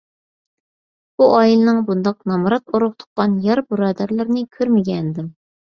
بۇ ئائىلىنىڭ بۇنداق نامرات ئۇرۇق - تۇغقان، يار - بۇرادەرلىرىنى كۆرمىگەنىدىم.